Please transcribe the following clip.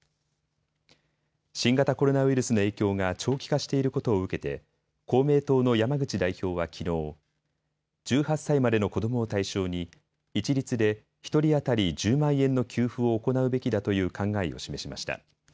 新型コロナウイルスの影響が長期化していることを受けて公明党の山口代表はきのう１８歳までの子どもを対象に一律で１人当たり１０万円の給付を行うべきだという考えを示しました。